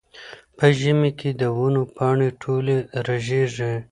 په ژمي کې د ونو پاڼې ټولې رژېږي.